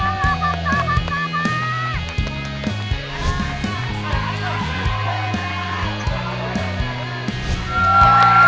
aku tak tahu mas kalau kamu lupa makan